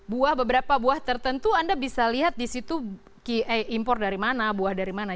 buah beberapa buah tertentu anda bisa lihat di situ impor dari mana buah dari mana